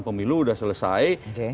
pemilu sudah selesai